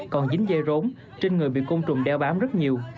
còn dính dây rốn trên người bị côn trùng đeo bám rất nhiều